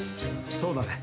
そうだね。